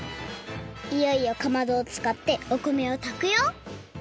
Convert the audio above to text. いよいよかまどをつかってお米をたくよ！